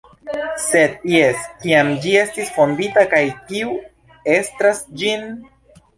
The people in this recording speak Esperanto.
Se jes, kiam ĝi estis fondita kaj kiu estras gin?